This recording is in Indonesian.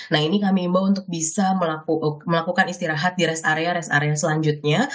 nah ini kami imbau untuk bisa melakukan istirahat di rest area rest area selanjutnya